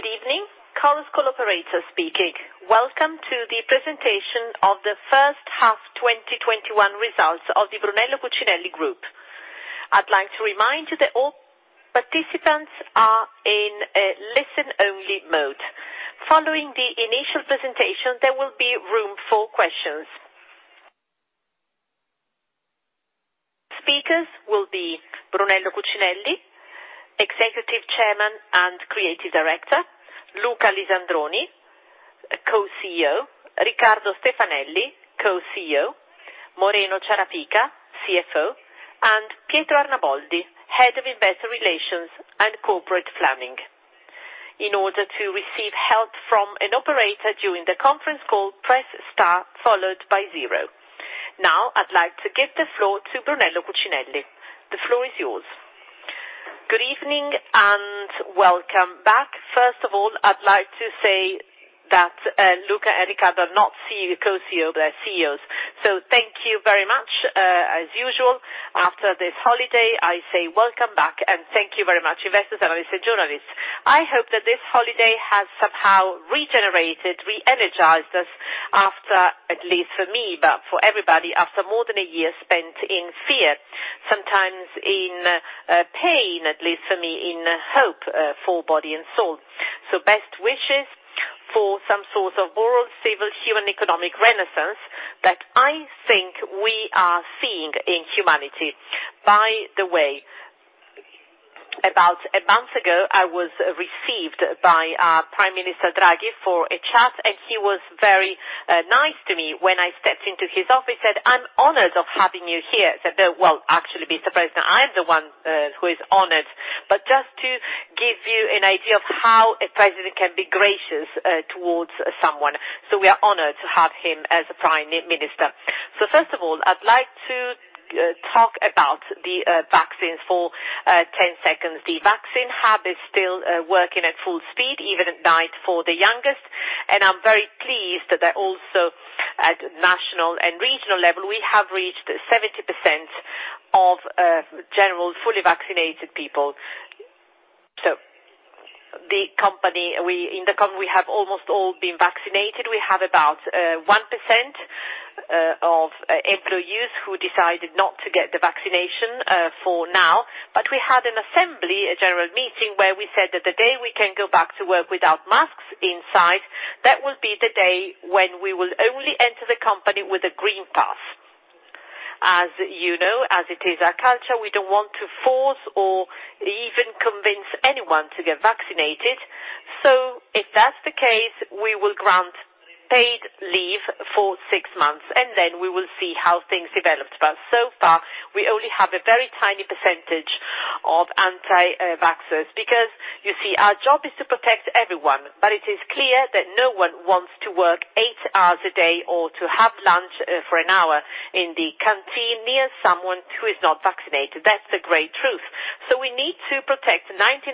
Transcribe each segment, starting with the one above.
Good evening. Chorus Call operator speaking. Welcome to the presentation of the first half 2021 results of the Brunello Cucinelli Group. I'd like to remind you that all participants are in a listen-only mode. Following the initial presentation, there will be room for questions. Speakers will be Brunello Cucinelli, Executive Chairman and Creative Director, Luca Lisandroni, Co-CEO, Riccardo Stefanelli, Co-CEO, Moreno Ciarapica, CFO, and Pietro Arnaboldi, Head of Investor Relations and Corporate Planning. In order to receive help from an operator during the conference call press star followed by zero. Now, I'd like to give the floor to Brunello Cucinelli. The floor is yours. Good evening and welcome back. First of all, I'd like to say that Luca and Riccardo are not Co-CEO, they're CEOs. Thank you very much, as usual. After this holiday, I say welcome back and thank you very much, investors, analysts, and journalists. I hope that this holiday has somehow regenerated, re-energized us after, at least for me, but for everybody, after more than a year spent in fear, sometimes in pain, at least for me, in hope, full body and soul. Best wishes for some sort of world civil human economic renaissance that I think we are seeing in humanity. By the way, about a month ago, I was received by our Prime Minister Draghi for a chat, and he was very nice to me. When I stepped into his office, said, "I'm honored of having you here." I said, "Well, actually, Mr. President, I'm the one who is honored." Just to give you an idea of how a president can be gracious towards someone. We are honored to have him as a Prime Minister. First of all, I'd like to talk about the vaccines for 10 seconds. The vaccine hub is still working at full speed, even at night for the youngest. I'm very pleased that at national and regional level, we have reached 70% of general fully vaccinated people. In the company, we have almost all been vaccinated. We have about 1% of employees who decided not to get the vaccination for now. We had an assembly, a general meeting, where we said that the day we can go back to work without masks inside, that will be the day when we will only enter the company with a green pass. As you know, as it is our culture, we don't want to force or even convince anyone to get vaccinated. If that's the case, we will grant paid leave for six months, and then we will see how things developed. So far, we only have a very tiny percentage of anti-vaxxers because you see, our job is to protect everyone. It is clear that no one wants to work eight hours a day or to have lunch for 1 hour in the canteen near someone who is not vaccinated. That's the great truth. We need to protect 99%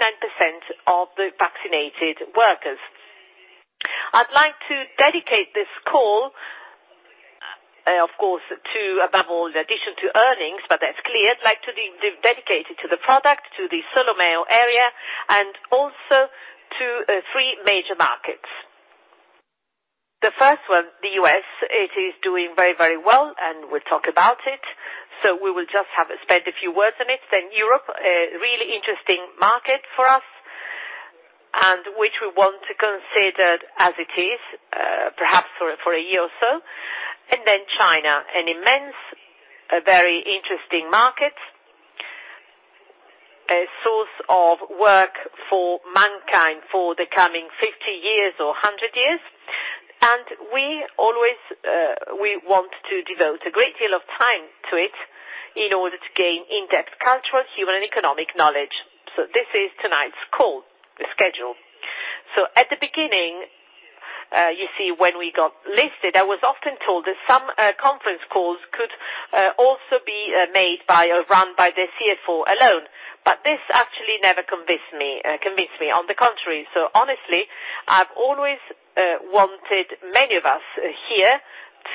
of the vaccinated workers. I'd like to dedicate this call, of course, above all, in addition to earnings, but that's clear. I'd like to dedicate it to the product, to the Solomeo area, and also to three major markets. The first one, the U.S., it is doing very, very well and we'll talk about it. We will just spend a few words on it. Europe, a really interesting market for us, and which we want to consider as it is perhaps for a year or so. China, an immense, very interesting market, a source of work for mankind for the coming 50 years or 100 years. We want to devote a great deal of time to it in order to gain in-depth cultural, human, and economic knowledge. This is tonight's call, the schedule. At the beginning, you see when we got listed, I was often told that some conference calls could also be made by or run by the CFO alone. This actually never convinced me. On the contrary. Honestly, I've always wanted many of us here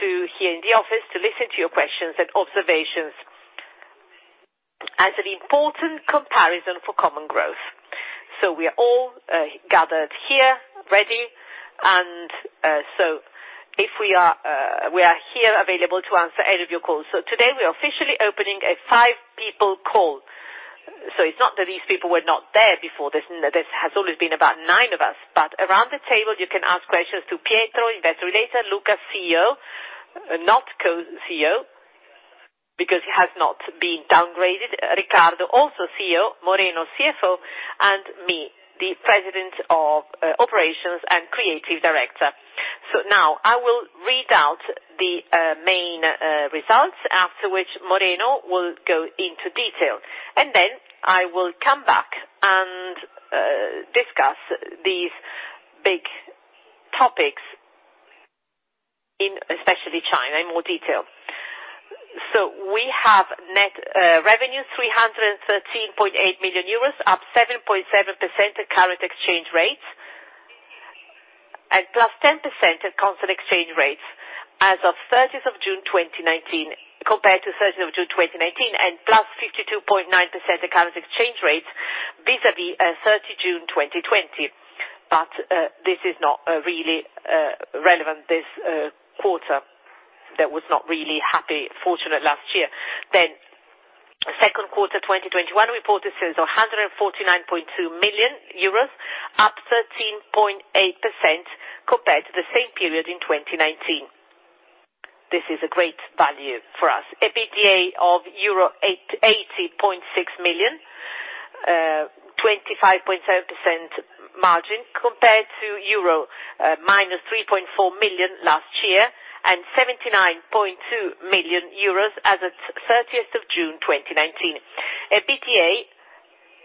in the office to listen to your questions and observations as an important comparison for common growth. We are all gathered here, ready, and so we are here available to answer any of your calls. Today, we are officially opening a five-people call. It's not that these people were not there before. There has always been about nine of us. Around the table you can ask questions to Pietro, investor relator, Luca, CEO, not Co-CEO, because he has not been downgraded, Riccardo, also CEO, Moreno, CFO, and me, the President of Operations and Creative Director. Now I will read out the main results, after which Moreno will go into detail, I will come back and discuss these big topics in, especially China, in more detail. We have net revenue, 313.8 million euros, up 7.7% at current exchange rate. +10% at constant exchange rates as of 30th of June 2019 compared to 30th of June 2018, +2.9% at current exchange rates vis-à-vis at 30 June 2020. This is not really relevant this quarter, that was not really happy, fortunate last year. Second quarter 2021 reported sales of 149.2 million euros, up 13.8% compared to the same period in 2019. This is a great value for us. EBITDA of euro 80.6 million, 25.7% margin compared to -3.4 million euro last year and 79.2 million euros as at 30th of June 2019. EBITDA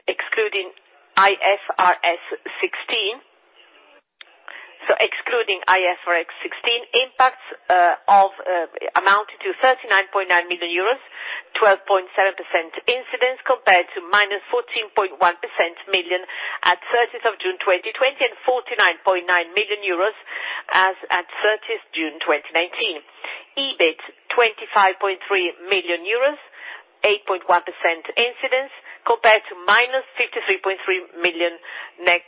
excluding IFRS 16. Excluding IFRS 16 impacts amounted to 39.9 million euros, 12.7% incidence compared to -14.1 million at 30th of June 2020 and 49.9 million euros as at 30th June 2019. EBIT 25.3 million euros, 8.1% incidence compared to -53.3 million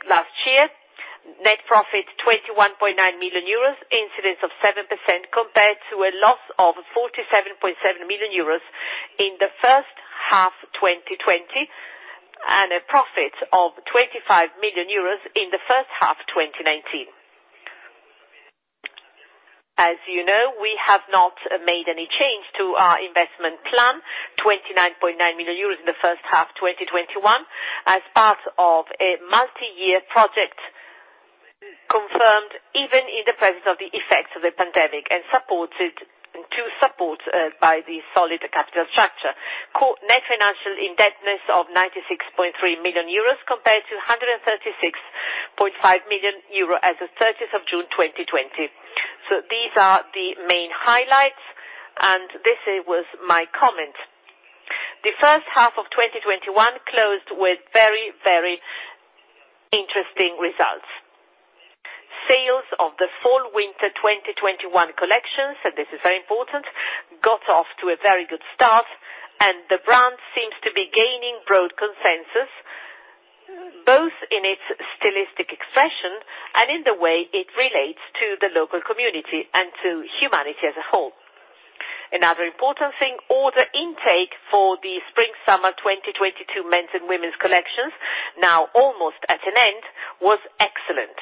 last year. Net profit 21.9 million euros, incidence of 7% compared to a loss of 47.7 million euros in the first half 2020, and a profit of 25 million euros in the first half 2019. As you know, we have not made any change to our investment plan, 29.9 million euros in the first half 2021, as part of a multi-year project confirmed even in the presence of the effects of the pandemic, and to support by the solid capital structure. Net financial indebtedness of 96.3 million euros compared to 136.5 million euros as of 30th of June 2020. These are the main highlights, and this was my comment. The first half of 2021 closed with very interesting results. Sales of the fall/winter 2021 collections, and this is very important, got off to a very good start, and the brand seems to be gaining broad consensus, both in its stylistic expression and in the way it relates to the local community and to humanity as a whole. Another important thing, order intake for the spring/summer 2022 men's and women's collections, now almost at an end, was excellent.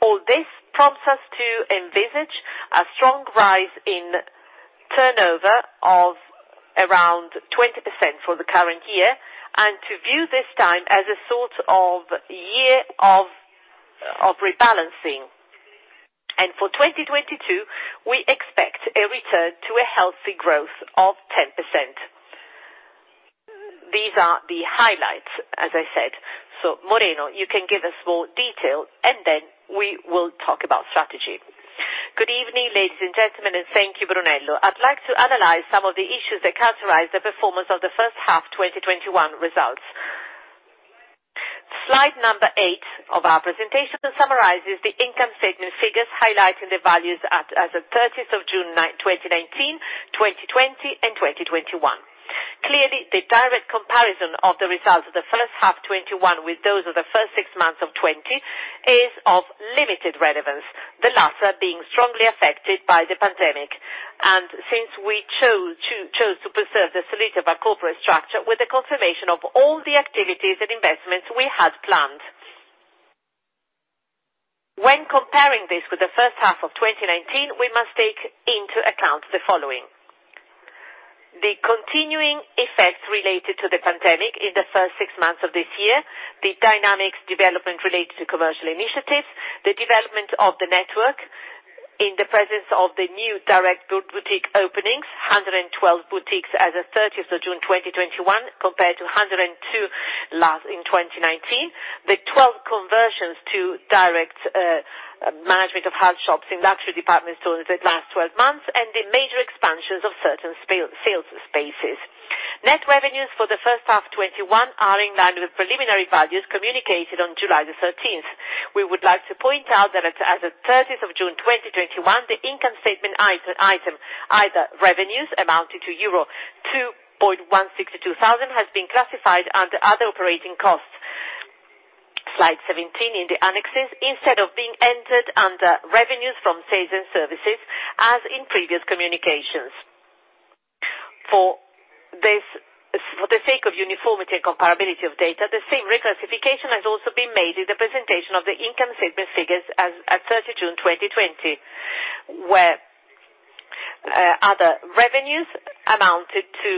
All this prompts us to envisage a strong rise in turnover of around 20% for the current year, and to view this time as a sort of year of rebalancing. For 2022, we expect a return to a healthy growth of 10%. These are the highlights, as I said. Moreno, you can give us more detail, and then we will talk about strategy. Good evening, ladies and gentlemen, and thank you, Brunello. I'd like to analyze some of the issues that characterize the performance of the first half 2021 results. Slide number eight of our presentation summarizes the income statement figures, highlighting the values as of 30th of June 2019, 2020, and 2021. Clearly, the direct comparison of the results of the first half 2021 with those of the first six months of 2020 is of limited relevance, the latter being strongly affected by the pandemic. Since we chose to preserve the solidity of our corporate structure with the confirmation of all the activities and investments we had planned. When comparing this with the first half of 2019, we must take into account the following. The continuing effects related to the pandemic in the first six months of this year, the dynamics development related to commercial initiatives, the development of the network in the presence of the new direct boutique openings, 112 boutiques as of 30th of June 2021 compared to 102 in 2019. The 12 conversions to direct management of hard shops in luxury department stores at the last 12 months, and the major expansions of certain sales spaces. Net revenues for the first half 2021 are in line with preliminary values communicated on July 13th. We would like to point out that as of June 30th, 2021, the income statement item, other revenues amounted to euro 2,162 thousand, has been classified under other operating costs. Slide 17 in the annexes, instead of being entered under revenues from sales and services, as in previous communications. For the sake of uniformity and comparability of data, the same reclassification has also been made in the presentation of the income statement figures as at June 30, 2020, where other revenues amounted to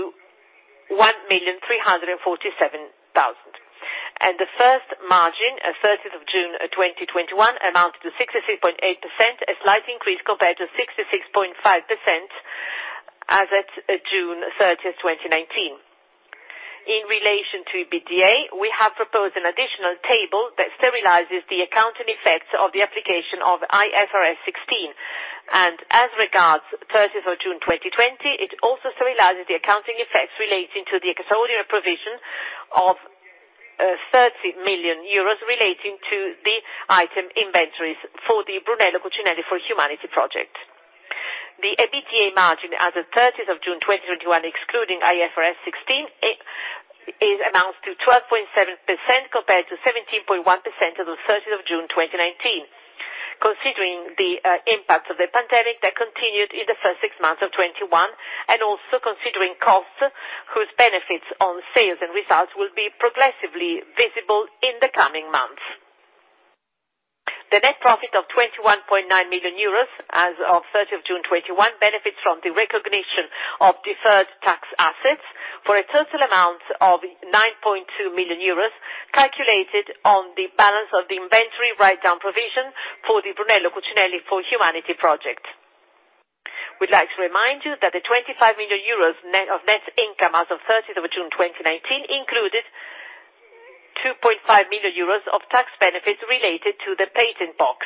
1,347,000. The first margin at June 30th, 2021 amounted to 66.8%, a slight increase compared to 66.5% as at June 30th, 2019. In relation to EBITDA, we have proposed an additional table that sterilizes the accounting effects of the application of IFRS 16. As regards 30th of June 2020, it also sterilizes the accounting effects relating to the extraordinary provision of 30 million euros relating to the item inventories for the Brunello Cucinelli for Humanity project. The EBITDA margin as of 30th of June 2021, excluding IFRS 16, it amounts to 12.7% compared to 17.1% as of 30th of June 2019. Considering the impact of the pandemic that continued in the first six months of 2021, and also considering costs whose benefits on sales and results will be progressively visible in the coming months. The net profit of 21.9 million euros as of 30th June 2021 benefits from the recognition of deferred tax assets for a total amount of 9.2 million euros, calculated on the balance of the inventory write-down provision for the Brunello Cucinelli for Humanity project. We'd like to remind you that the 25 million euros of net income as of 30th of June 2019 included 2.5 million euros of tax benefits related to the patent box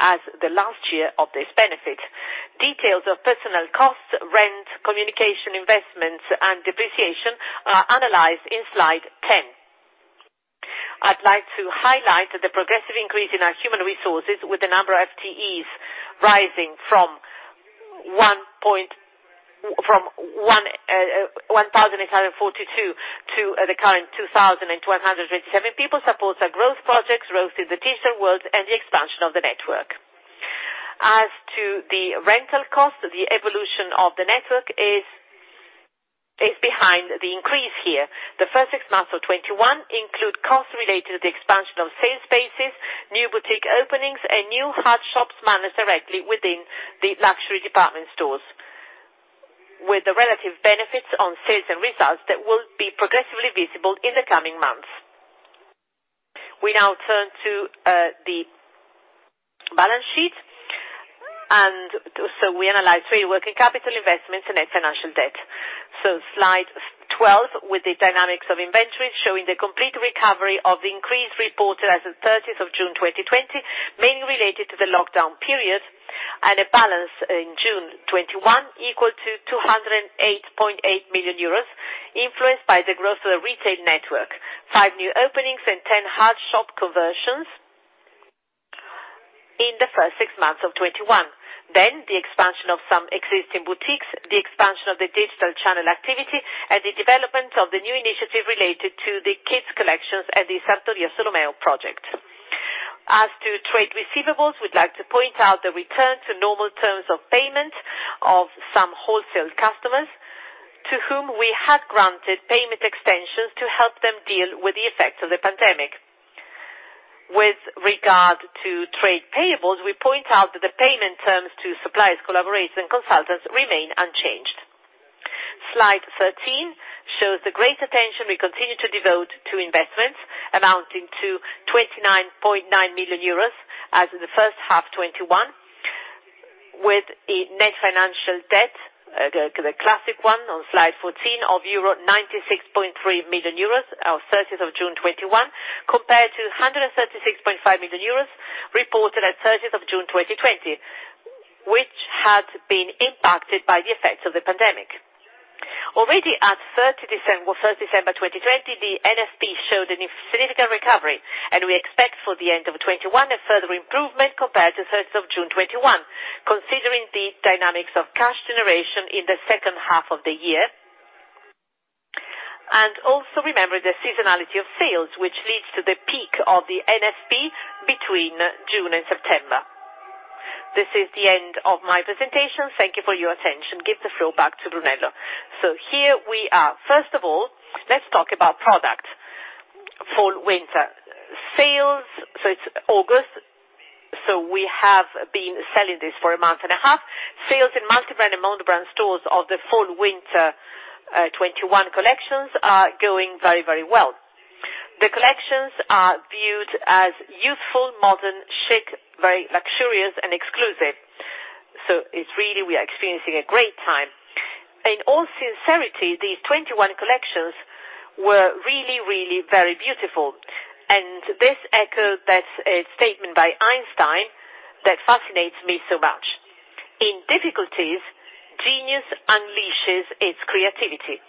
as the last year of this benefit. Details of personnel costs, rent, communication investments, and depreciation are analyzed in slide 10. I'd like to highlight the progressive increase in our human resources with the number of FTEs rising from 1,842 to the current 2,287 people, supports our growth projects, growth in the digital world, and the expansion of the network. As to the rental cost, the evolution of the network is behind the increase here. The first six months of 2021 include costs related to the expansion of sales spaces, new boutique openings, and new hard shops managed directly within the luxury department stores, with the relative benefits on sales and results that will be progressively visible in the coming months. We now turn to the balance sheet. We analyze three working capital investments and net financial debt. Slide 12 with the dynamics of inventories showing the complete recovery of the increase reported as of 30th of June 2020, mainly related to the lockdown periods, and a balance in June 2021 equal to 208.8 million euros, influenced by the growth of the retail network. five new openings and 10 hard shop conversions in the first six months of 2021. The expansion of some existing boutiques, the expansion of the digital channel activity, and the development of the new initiative related to the kids collections and the Sartoria Solomeo project. As to trade receivables, we'd like to point out the return to normal terms of payment of some wholesale customers to whom we had granted payment extensions to help them deal with the effects of the pandemic. With regard to trade payables, we point out that the payment terms to suppliers, collaborators, and consultants remain unchanged. Slide 13 shows the great attention we continue to devote to investments amounting to 29.9 million euros as of the first half 2021 with a net financial debt, the classic one on slide 14 of 96.3 million euros as of 30th of June 2021 compared to 136.5 million euros reported at 30th of June 2020, which had been impacted by the effects of the pandemic. Already at 1st December 2020, the NFP showed a significant recovery, and we expect for the end of 2021 a further improvement compared to 1st of June 2021, considering the dynamics of cash generation in the second half of the year, and also remembering the seasonality of sales, which leads to the peak of the NFP between June and September. This is the end of my presentation. Thank you for your attention. Give the floor back to Brunello. Here we are. First of all, let's talk about product. Fall/winter sales. It's August, we have been selling this for a month and a half. Sales in multi-brand and mono-brand stores of the fall/winter 2021 collections are going very well. The collections are viewed as youthful, modern, chic, very luxurious, and exclusive. It's really we are experiencing a great time. In all sincerity, the 2021 collections were really, really very beautiful. This echoes that statement by Einstein that fascinates me so much. In difficulties, genius unleashes its creativity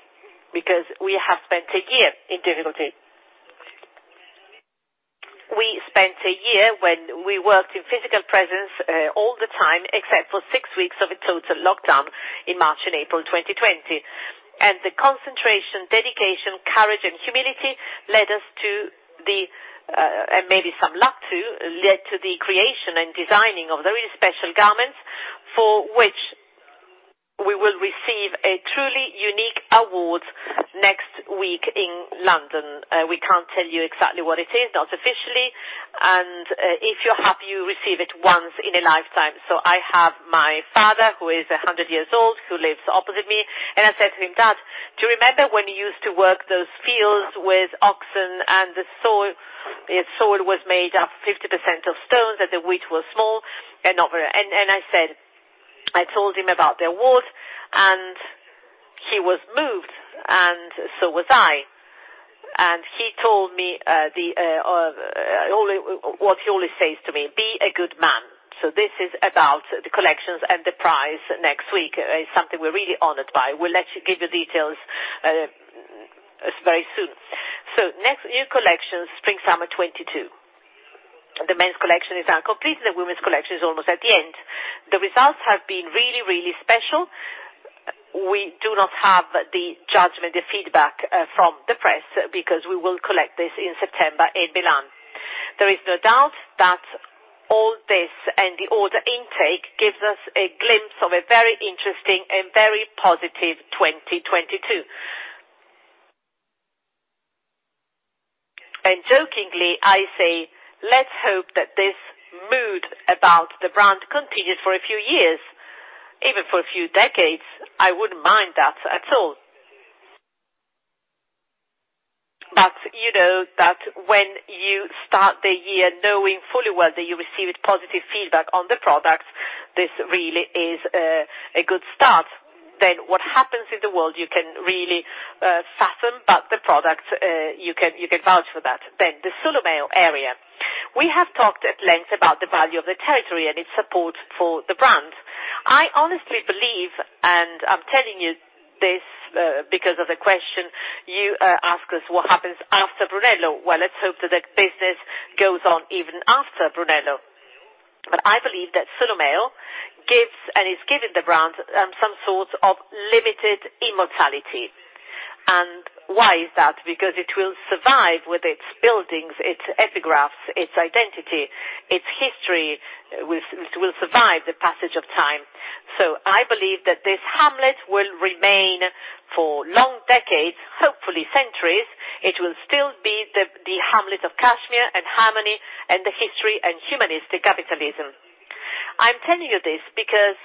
because we have spent a year in difficulty. We spent a year when we worked in physical presence all the time except for 6 weeks of a total lockdown in March and April 2020. The concentration, dedication, courage, and humility led us to the, and maybe some luck too, led to the creation and designing of very special garments for which we will receive a truly unique award next week in London. We can't tell you exactly what it is, not officially, and if you're happy, you receive it once in a lifetime. I have my father, who is 100 years old, who lives opposite me, and I said to him, "Dad, do you remember when you used to work those fields with oxen and the soil was made up 50% of stones and the wheat was small." I told him about the award, and he was moved, and so was I. He told me what he always says to me, "Be a good man." This is about the collections and the prize next week. It's something we're really honored by. We'll give you details very soon. Next, new collection, spring/summer 2022. The men's collection is now complete. The women's collection is almost at the end. The results have been really, really special. We do not have the judgment, the feedback from the press, because we will collect this in September in Milan. There is no doubt that all this and the order intake gives us a glimpse of a very interesting and very positive 2022. Jokingly, I say, let's hope that this mood about the brand continues for a few years, even for a few decades. I wouldn't mind that at all. You know that when you start the year knowing fully well that you received positive feedback on the product, this really is a good start. What happens in the world, you can really fathom, but the product, you can vouch for that. The Solomeo area. We have talked at length about the value of the territory and its support for the brand. I honestly believe, and I'm telling you this because of the question you asked us, what happens after Brunello? Well, let's hope that the business goes on even after Brunello. I believe that Solomeo gives, and is giving the brand some sort of limited immortality. Why is that? Because it will survive with its buildings, its epigraphs, its identity. Its history will survive the passage of time. I believe that this hamlet will remain for long decades, hopefully centuries. It will still be the hamlet of cashmere and harmony and the history and humanistic capitalism. I'm telling you this because,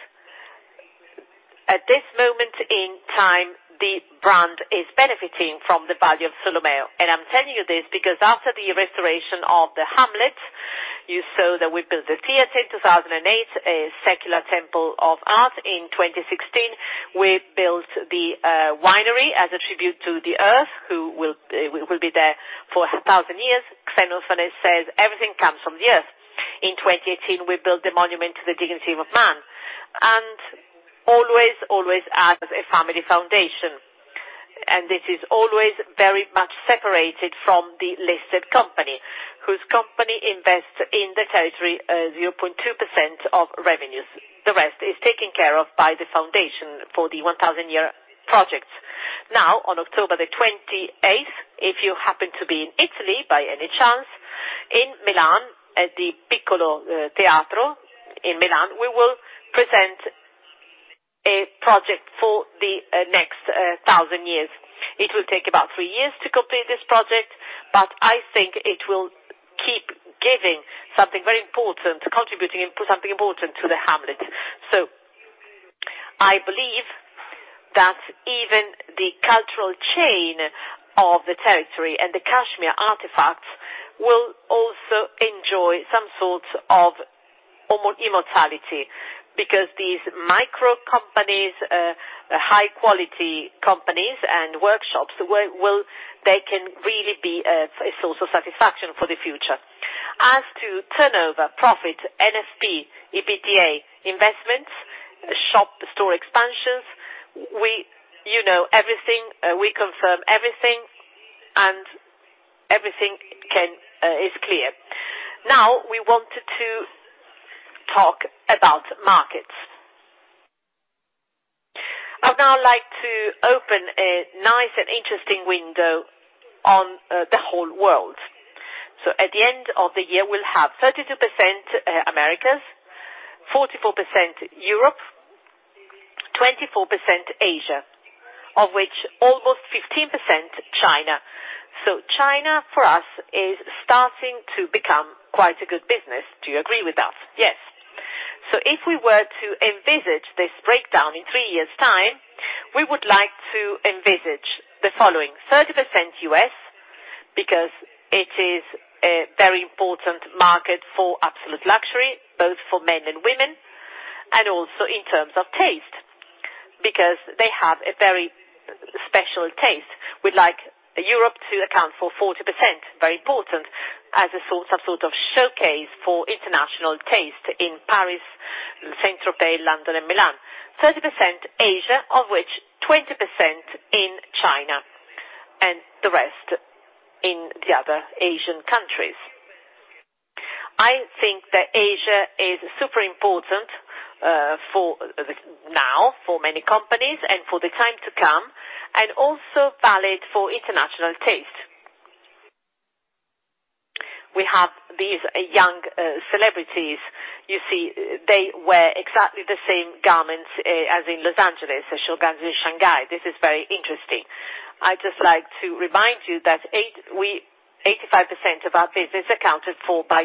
at this moment in time, the brand is benefiting from the value of Solomeo. I'm telling you this because after the restoration of the hamlet, you saw that we built the theater in 2008, a secular temple of art in 2016. We built the winery as a tribute to the Earth, who will be there for 1,000 years. Xenophanes says everything comes from the Earth. In 2018, we built the monument to the dignity of man, and always as a family foundation. This is always very much separated from the listed company, whose company invests in the territory 0.2% of revenues. The rest is taken care of by the foundation for the 1,000-year projects. On October 28th, if you happen to be in Italy by any chance, in Milan, at the Piccolo Teatro in Milan, we will present a project for the next 1,000 years. It will take about 3 years to complete this project, but I think it will keep giving something very important, contributing something important to the hamlet. I believe that even the cultural chain of the territory and the cashmere artifacts will also enjoy some sort of immortality because these micro companies, high quality companies and workshops, they can really be a source of satisfaction for the future. As to turnover, profit, NFP, EBITDA, investments, shop, store expansions, you know everything. We confirm everything, and everything is clear. We wanted to talk about markets. I'd now like to open a nice and interesting window on the whole world. At the end of the year, we'll have 32% Americas, 44% Europe, 24% Asia, of which almost 15% China. China, for us, is starting to become quite a good business. Do you agree with that? Yes. If we were to envisage this breakdown in three years' time, we would like to envisage the following. 30% U.S., because it is a very important market for absolute luxury, both for men and women, and also in terms of taste, because they have a very special taste. We'd like Europe to account for 40%, very important, as a sort of showcase for international taste in Paris, Saint-Tropez, London, and Milan. 30% Asia, of which 20% in China, and the rest in the other Asian countries. I think that Asia is super important now for many companies and for the time to come, and also valid for international taste. We have these young celebrities. You see, they wear exactly the same garments as in L.A., as you'll find in Shanghai. This is very interesting. I'd just like to remind you that 85% of our business accounted for by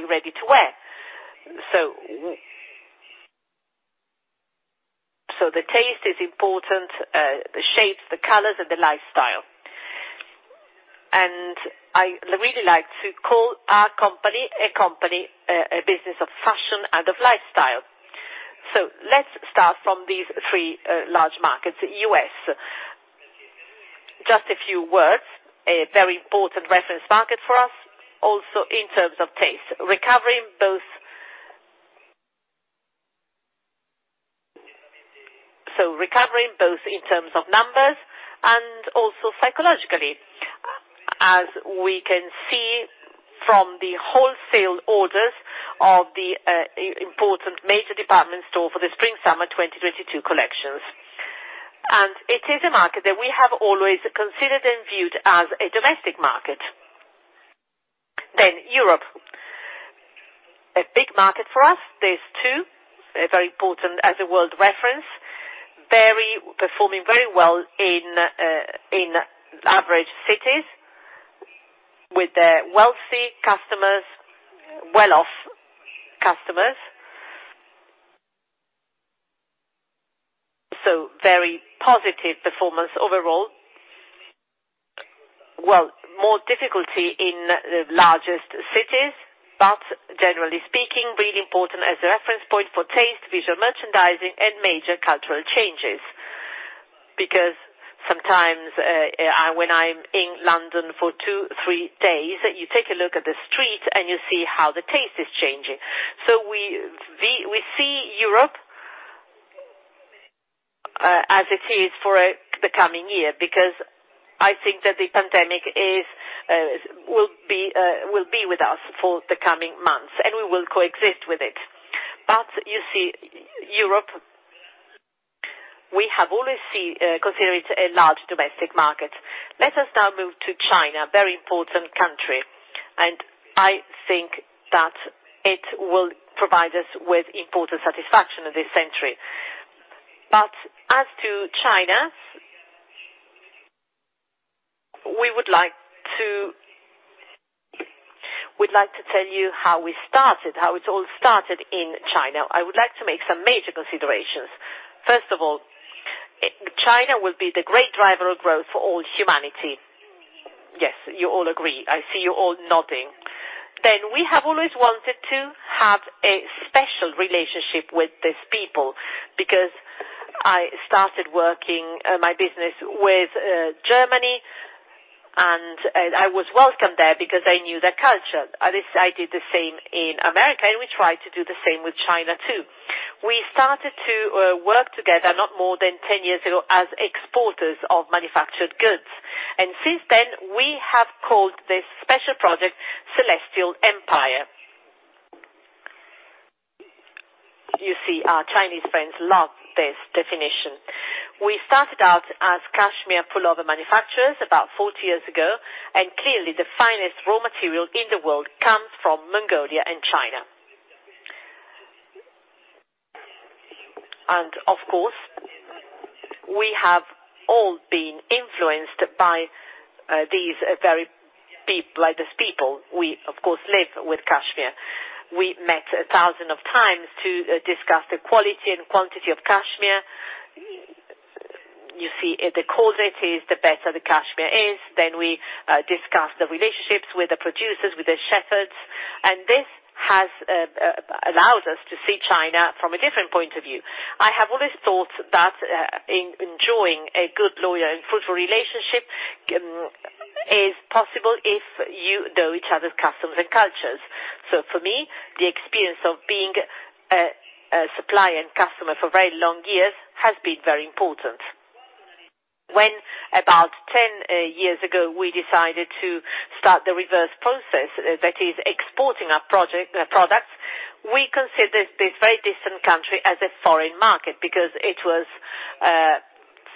ready-to-wear. The taste is important, the shapes, the colors, and the lifestyle. I really like to call our company a business of fashion and of lifestyle. Let's start from these three large markets. U.S., just a few words, a very important reference market for us, also in terms of taste. Recovering both in terms of numbers and also psychologically, as we can see from the wholesale orders of the important major department store for the spring summer 2022 collections. It is a market that we have always considered and viewed as a domestic market. Europe, a big market for us. There's two, very important as a world reference, performing very well in average cities with their wealthy customers, well off customers. Very positive performance overall. More difficulty in the largest cities, but generally speaking, really important as a reference point for taste, visual merchandising, and major cultural changes. Sometimes when I'm in London for two to three days, you take a look at the street and you see how the taste is changing. We see Europe as it is for the coming year because I think that the pandemic will be with us for the coming months, and we will coexist with it. You see, Europe, we have always considered it a large domestic market. Let us now move to China, very important country, and I think that it will provide us with important satisfaction in this century. As to China, we'd like to tell you how it all started in China. I would like to make some major considerations. First of all, China will be the great driver of growth for all humanity. Yes, you all agree. I see you all nodding. We have always wanted to have a special relationship with these people because I started working my business with Germany, and I was welcomed there because I knew their culture. I did the same in America, and we tried to do the same with China, too. We started to work together not more than 10 years ago as exporters of manufactured goods, and since then, we have called this special project Celestial Empire. You see, our Chinese friends love this definition. We started out as cashmere pullover manufacturers about 40 years ago. Clearly the finest raw material in the world comes from Mongolia and China. Of course, we have all been influenced by these people. We, of course, live with cashmere. We met 1,000 times to discuss the quality and quantity of cashmere. You see, the colder it is, the better the cashmere is. We discuss the relationships with the producers, with the shepherds, and this has allowed us to see China from a different point of view. I have always thought that enjoying a good loyal and fruitful relationship is possible if you know each other's customs and cultures. For me, the experience of being a supplier and customer for very long years has been very important. When about 10 years ago, we decided to start the reverse process, that is exporting our products, we considered this very distant country as a foreign market because it was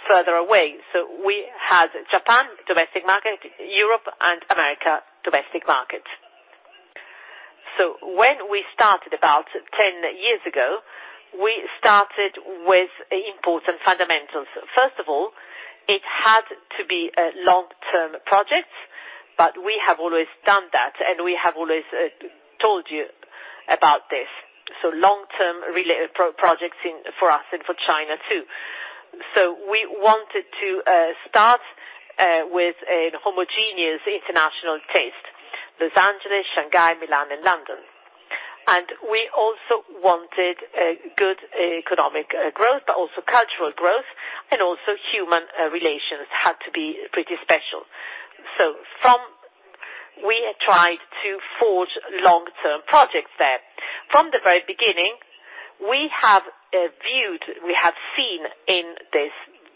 further away. We had Japan, domestic market, Europe and America, domestic market. When we started about 10 years ago, we started with important fundamentals. First of all, it had to be a long-term project, but we have always done that, and we have always told you about this. Long-term related projects for us and for China, too. We wanted to start with a homogeneous international taste, Los Angeles, Shanghai, Milan, and London. We also wanted a good economic growth, but also cultural growth, and also human relations had to be pretty special. We tried to forge long-term projects there. From the very beginning, we have seen in this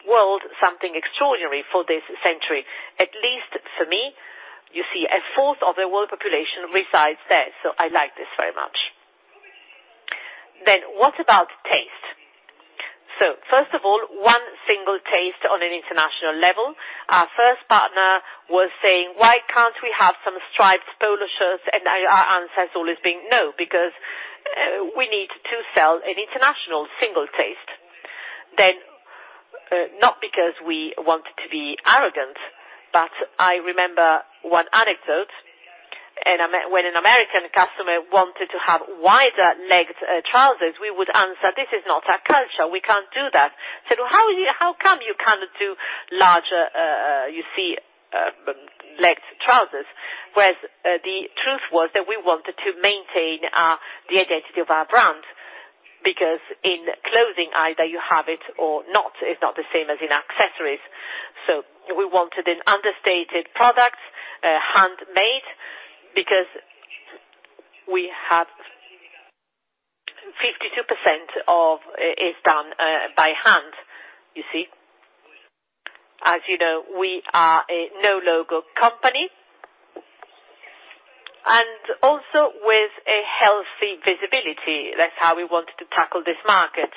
world something extraordinary for this century, at least for me. You see, a fourth of the world population resides there. I like this very much. What about taste? First of all, one single taste on an international level. Our first partner was saying, "Why can't we have some striped polo shirts?" Our answer has always been, "No, because we need to sell an international single taste." Not because we want to be arrogant, but I remember one anecdote, when an American customer wanted to have wider legged trousers, we would answer, "This is not our culture. We can't do that." Said, "Well, how come you can't do larger legged trousers?" The truth was that we wanted to maintain the identity of our brand, because in clothing, either you have it or not. It's not the same as in accessories. We wanted an understated product, handmade, because we have 52% is done by hand. As you know, we are a no logo company, also with a healthy visibility. That's how we wanted to tackle this market,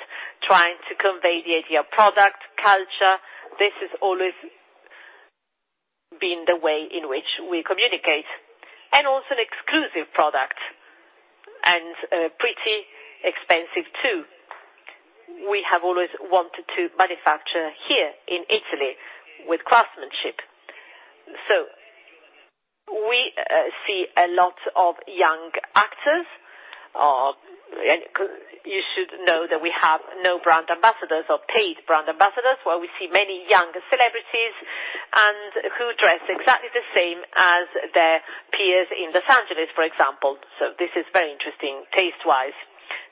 trying to convey the idea of product, culture. This has always been the way in which we communicate. Also an exclusive product, and pretty expensive too. We have always wanted to manufacture here in Italy with craftsmanship. We see a lot of young actors. You should know that we have no brand ambassadors or paid brand ambassadors, where we see many young celebrities and who dress exactly the same as their peers in L.A., for example. This is very interesting taste-wise.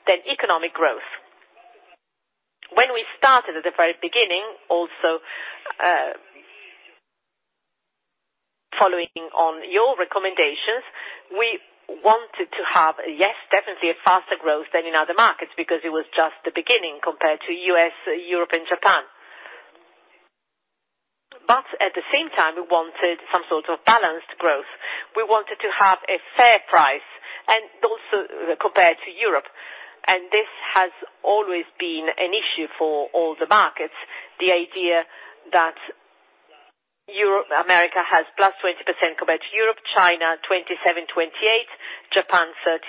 Economic growth. When we started at the very beginning, also following on your recommendations, we wanted to have, yes, definitely a faster growth than in other markets because it was just the beginning compared to U.S., Europe, and Japan. At the same time, we wanted some sort of balanced growth. We wanted to have a fair price, and also compared to Europe. This has always been an issue for all the markets. The idea that America has +20% compared to Europe, China, 27%, 28%, Japan, 33%,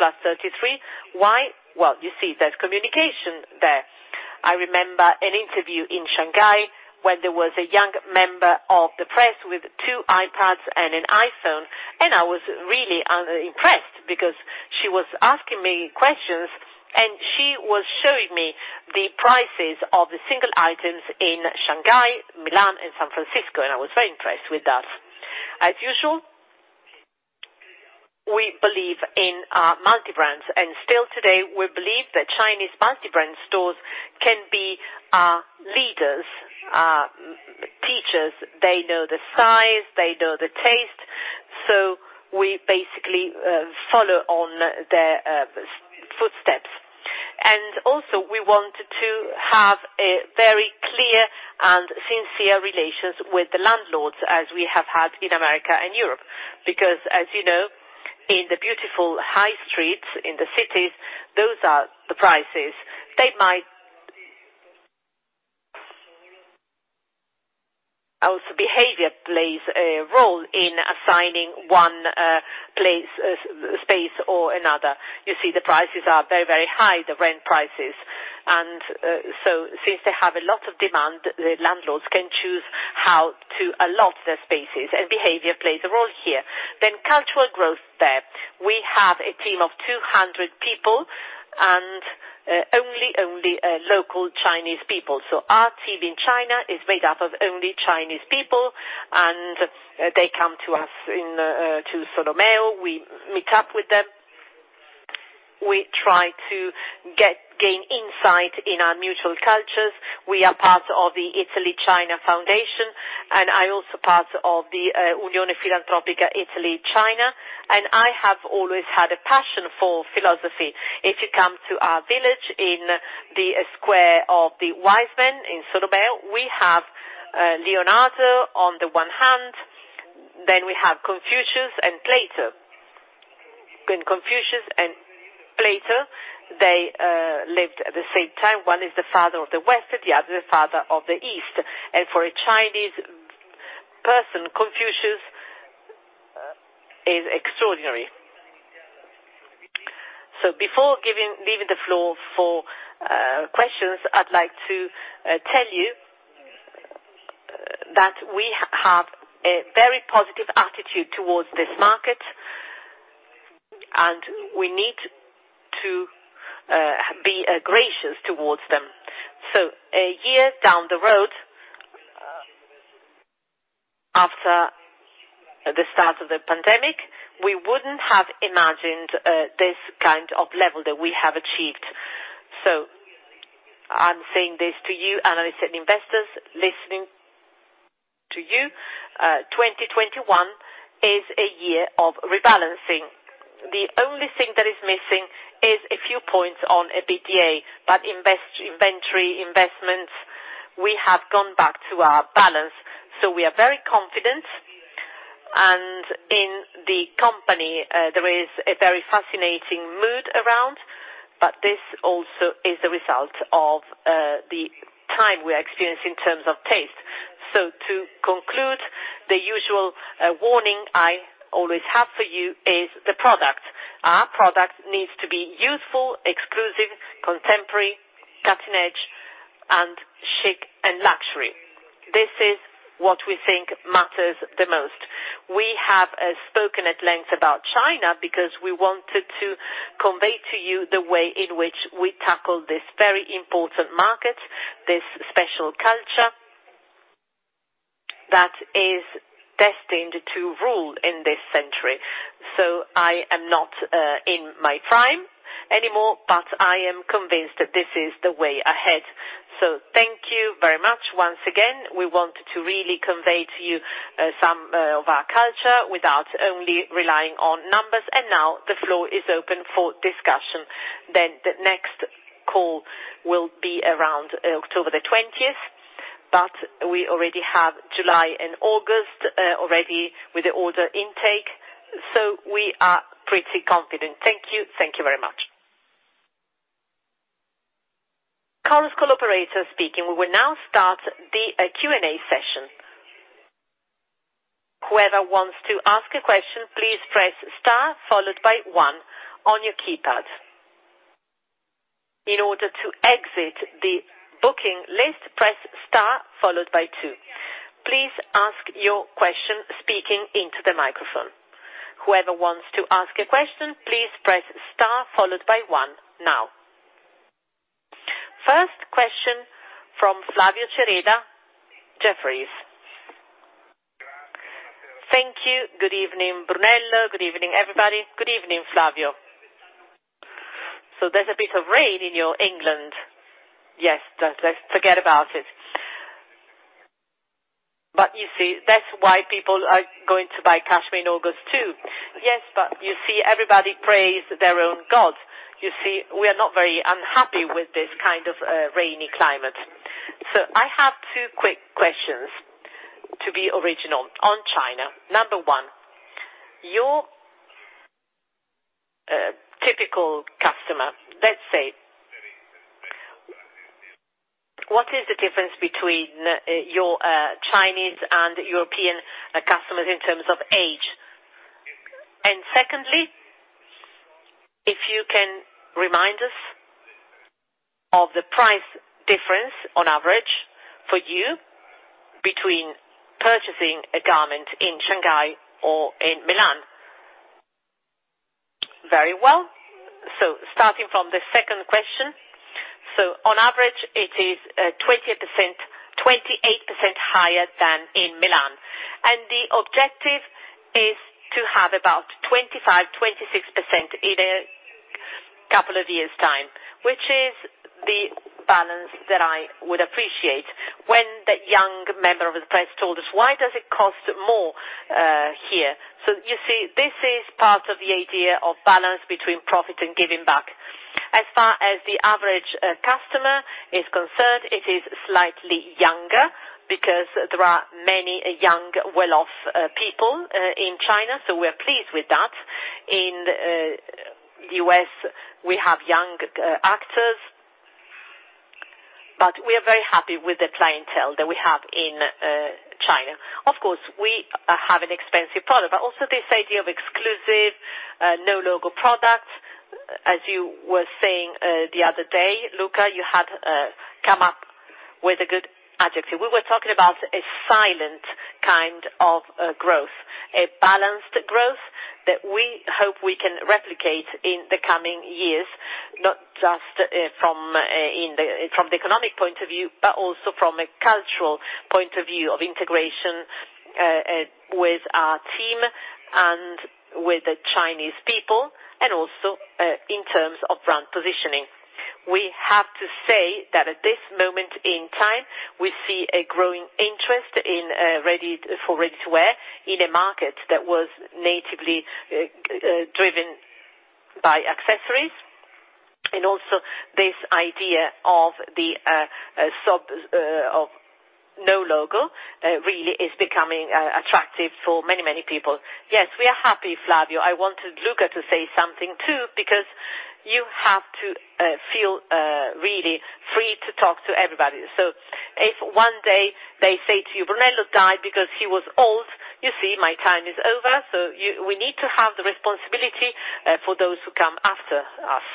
+33%. Why? Well, you see there's communication there. I remember an interview in Shanghai when there was a young member of the press with two iPads and an iPhone, and I was really impressed because she was asking me questions, and she was showing me the prices of the single items in Shanghai, Milan, and San Francisco, and I was very impressed with that. As usual, we believe in multibrands, still today, we believe that Chinese multibrand stores can be our leaders, our teachers. They know the size, they know the taste. We basically follow on their footsteps. Also we want to have a very clear and sincere relations with the landlords as we have had in America and Europe. As you know, in the beautiful high streets in the cities, those are the prices. Also behavior plays a role in assigning one space or another. You see the prices are very, very high, the rent prices. Since they have a lot of demand, the landlords can choose how to allot their spaces, and behavior plays a role here. Cultural growth there. We have a team of 200 people and only local Chinese people. Our team in China is made up of only Chinese people, and they come to us, to Solomeo, we meet up with them. We try to gain insight in our mutual cultures. We are part of the Italy China Foundation, I also part of the Unione Filantropica Italy China, I have always had a passion for philosophy. If you come to our village in the Square of the Wise Men in Solomeo, we have Leonardo on the one hand, then we have Confucius and Plato. Confucius and Plato, they lived at the same time. One is the father of the West and the other, the father of the East. For a Chinese person, Confucius is extraordinary. Before leaving the floor for questions, I'd like to tell you that we have a very positive attitude towards this market, and we need to be gracious towards them. A year down the road, after the start of the pandemic, we wouldn't have imagined this kind of level that we have achieved. I'm saying this to you, analysts and investors, listening to you, 2021 is a year of rebalancing. The only thing that is missing is a few points on EBITDA. Inventory investments, we have gone back to our balance. We are very confident. In the company, there is a very fascinating mood around. This also is the result of the time we are experiencing in terms of taste. To conclude, the usual warning I always have for you is the product. Our product needs to be useful, exclusive, contemporary, cutting edge, and chic, and luxury. This is what we think matters the most. We have spoken at length about China because we wanted to convey to you the way in which we tackle this very important market, this special culture that is destined to rule in this century. I am not in my prime anymore, but I am convinced that this is the way ahead. Thank you very much once again. We want to really convey to you some of our culture without only relying on numbers, and now the floor is open for discussion. The next call will be around October 20th, but we already have July and August already with the order intake, so we are pretty confident. Thank you. Thank you very much. Chorus Call operator speaking. We will now start the Q&A session. Whoever wants to ask a question, please press star followed by one on your keypad. In order to exit the booking list, press star followed by two. Please ask your question speaking into the microphone. Whoever wants to ask a question, please press star followed by one now. First question from Flavio Cereda, Jefferies. Thank you. Good evening, Brunello. Good evening, everybody. Good evening, Flavio. There's a bit of rain in your England. Yes, let's forget about it. You see, that's why people are going to buy cashmere in August too. Yes, you see, everybody prays their own gods. You see, we are not very unhappy with this kind of rainy climate. I have 2 quick questions to be original on China. Number one, your typical customer, let's say, what is the difference between your Chinese and European customers in terms of age? Secondly, if you can remind us of the price difference on average for you between purchasing a garment in Shanghai or in Milan. Very well. Starting from the second question. On average it is 28% higher than in Milan. The objective is to have about 25%-26% in a two years' time, which is the balance that I would appreciate when the young member of the press told us, why does it cost more here? You see, this is part of the idea of balance between profit and giving back. As far as the average customer is concerned, it is slightly younger because there are many young, well-off people in China, we're pleased with that. In U.S., we have young actors, but we are very happy with the clientele that we have in China. Of course, we have an expensive product, but also this idea of exclusive, no logo product. As you were saying the other day, Luca, you had come up with a good adjective. We were talking about a silent kind of growth, a balanced growth that we hope we can replicate in the coming years, not just from the economic point of view, but also from a cultural point of view of integration with our team and with the Chinese people, and also in terms of brand positioning. We have to say that at this moment in time, we see a growing interest for ready-to-wear in a market that was natively driven by accessories. Also this idea of no logo really is becoming attractive for many, many people. Yes, we are happy, Flavio. I wanted Luca to say something too, because you have to feel really free to talk to everybody. If one day they say to you, Brunello died because he was old, you see my time is over. We need to have the responsibility for those who come after us.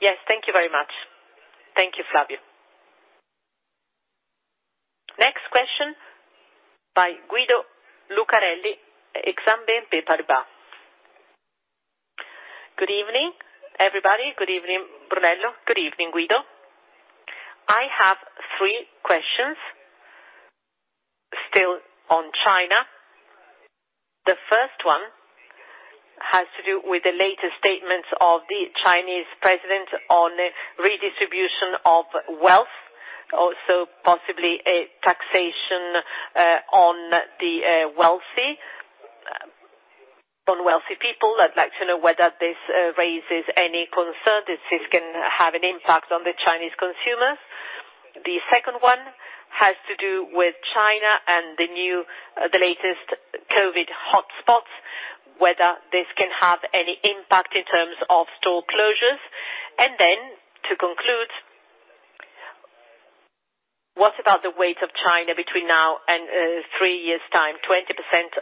Yes, thank you very much. Thank you, Flavio. Next question by Guido Lucarelli, Exane BNP Paribas. Good evening, everybody. Good evening, Brunello. Good evening, Guido. I have three questions still on China. The first one has to do with the latest statements of the Chinese president on redistribution of wealth, also possibly a taxation on wealthy people. I'd like to know whether this raises any concern that this can have an impact on the Chinese consumers. The second one has to do with China and the latest COVID hotspots, whether this can have any impact in terms of store closures. To conclude, what about the weight of China between now and three years' time, 20%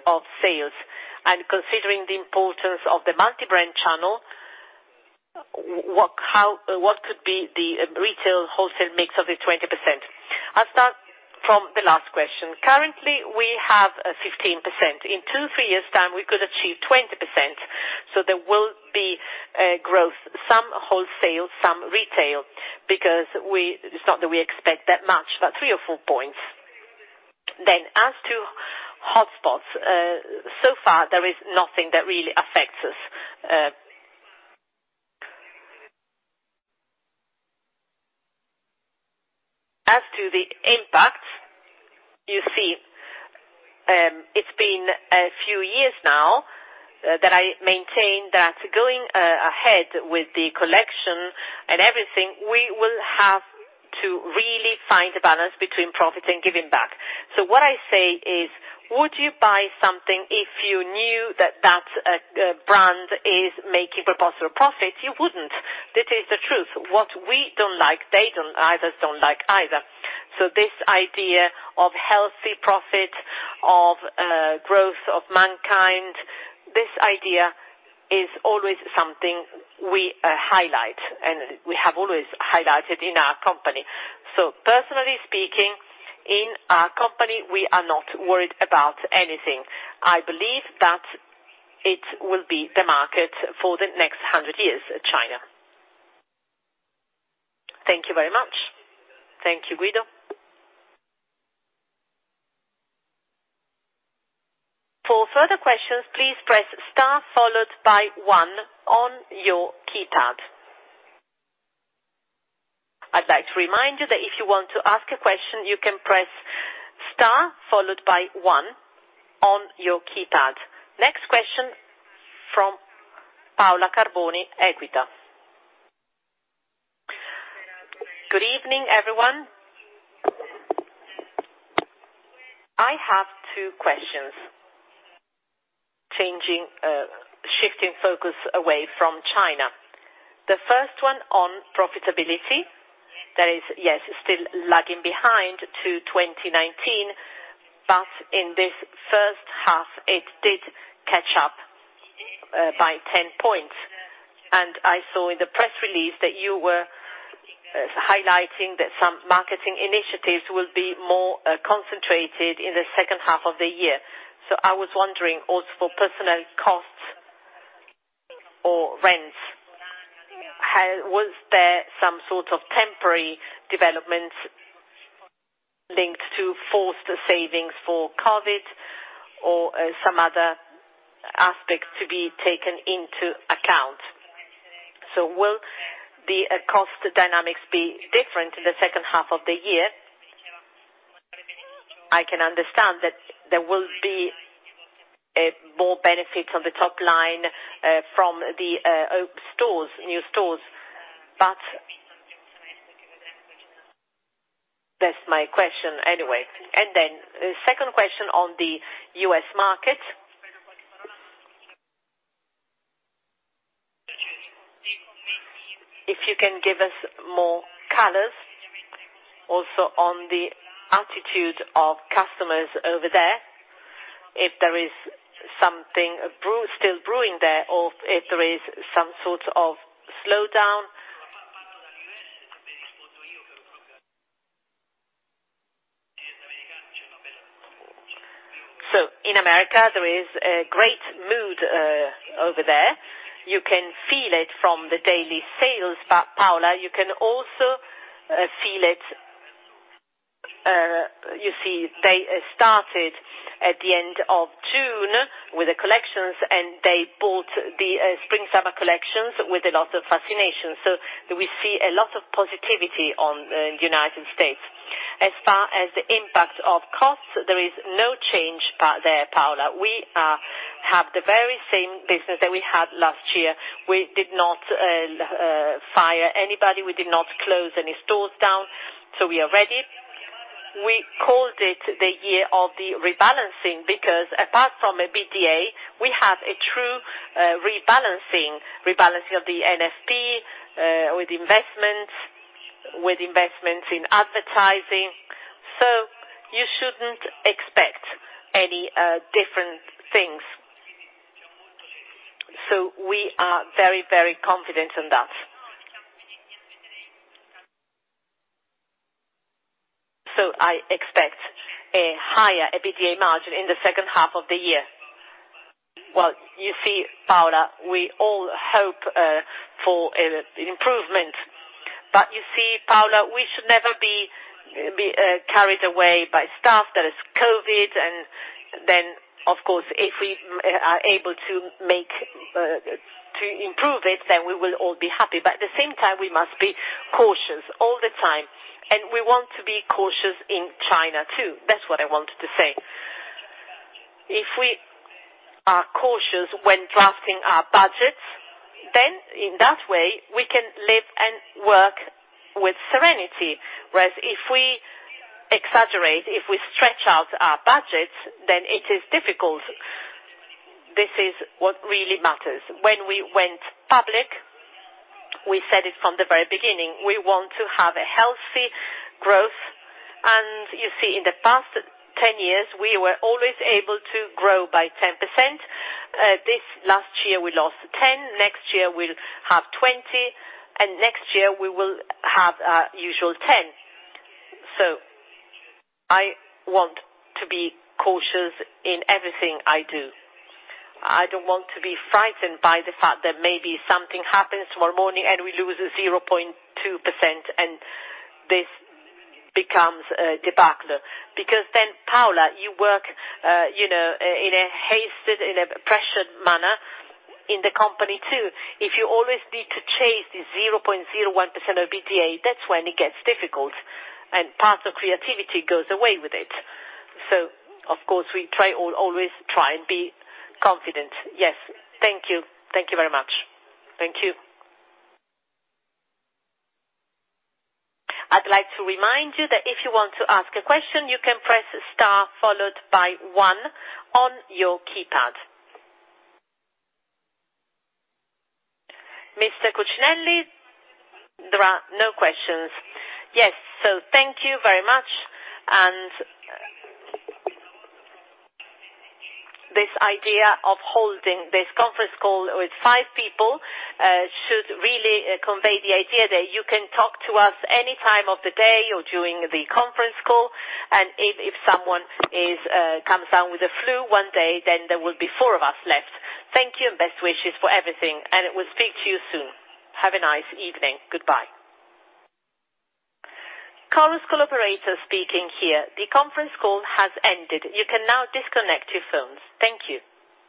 of sales, and considering the importance of the multi-brand channel, what could be the retail wholesale mix of the 20%? I'll start from the last question. Currently, we have 15%. In two to three years' time, we could achieve 20%. There will be growth, some wholesale, some retail, because it's not that we expect that much, but three or four points. As to hotspots, so far there is nothing that really affects us. As to the impact, you see, it's been a few years now that I maintain that going ahead with the collection and everything, we will have to really find a balance between profit and giving back. What I say is, would you buy something if you knew that that brand is making proportional profits? You wouldn't. This is the truth. What we don't like, they don't like either. This idea of healthy profit, of growth of mankind, this idea is always something we highlight and we have always highlighted in our company. Personally speaking, in our company, we are not worried about anything. I believe that it will be the market for the next 100 years, China. Thank you very much. Thank you, Guido. For further question please press star followed by one on your keypad. I would like to remind you that if you want to ask question press star followed by one on your keypadNext question from Paola Carboni, EQUITA. Good evening, everyone. I have two questions. Shifting focus away from China. The first one on profitability, that is, yes, still lagging behind to 2019, but in this first half, it did catch up by 10 points. I saw in the press release that you were highlighting that some marketing initiatives will be more concentrated in the second half of the year. I was wondering also for personnel costs or rents, was there some sort of temporary developments linked to forced savings for COVID or some other aspects to be taken into account? Will the cost dynamics be different in the second half of the year? I can understand that there will be more benefits on the top line from the new stores. That's my question anyway. Second question on the U.S. market. If you can give us more colors also on the attitude of customers over there, if there is something still brewing there, or if there is some sort of slowdown. In America, there is a great mood over there. You can feel it from the daily sales, Paola. You see they started at the end of June with the collections, and they bought the spring-summer collections with a lot of fascination. We see a lot of positivity on the United States. As far as the impact of costs, there is no change there, Paola. We have the very same business that we had last year. We did not fire anybody. We did not close any stores down, so we are ready. We called it the year of the rebalancing because apart from EBITDA, we have a true rebalancing of the NFP with investments in advertising. You shouldn't expect any different things. We are very, very confident in that. I expect a higher EBITDA margin in the second half of the year. Well, you see, Paola, we all hope for an improvement. You see, Paola, we should never be carried away by stuff. There is COVID, and then, of course, if we are able to improve it, then we will all be happy. At the same time, we must be cautious all the time, and we want to be cautious in China, too. That's what I wanted to say. If we are cautious when drafting our budgets, then in that way, we can live and work with serenity. Whereas if we exaggerate, if we stretch out our budgets, then it is difficult. This is what really matters. When we went public, we said it from the very beginning, we want to have a healthy growth. You see, in the past 10 years, we were always able to grow by 10%. This last year, we lost 10%. Next year, we'll have 20%, and next year, we will have our usual 10%. I want to be cautious in everything I do. I don't want to be frightened by the fact that maybe something happens tomorrow morning and we lose 0.2%, and this becomes a debacle. Then, Paola, you work in a hasted, in a pressured manner in the company, too. If you always need to chase this 0.01% of EBITDA, that's when it gets difficult, and part of creativity goes away with it. Of course, we always try and be confident. Yes. Thank you. Thank you very much. Thank you. I'd like to remind you that if you want to ask a question, you can press star followed by one on your keypad. Mr. Cucinelli, there are no questions. Yes. Thank you very much. This idea of holding this conference call with five people should really convey the idea that you can talk to us any time of the day or during the conference call, and if someone comes down with a flu one day, then there will be four of us left. Thank you and best wishes for everything, and we'll speak to you soon. Have a nice evening. Goodbye. Chorus Call speaking here. The conference call has ended. You can now disconnect your phones. Thank you.